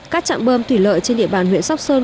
các trạm bơm thủy lợi trên địa bàn huyện sóc sơn